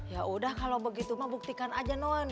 ya udah kalau begitu ma buktikan aja non